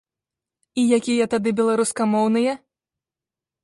І якія тады беларускамоўныя?